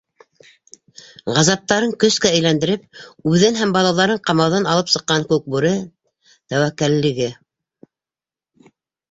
Ғазаптарын көскә әйләндереп, үҙен һәм балаларын ҡамауҙан алып сыҡҡан Күкбүре тәүәккәллеге.